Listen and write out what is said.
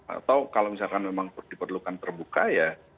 atau kalau misalkan memang diperlukan terbuka ya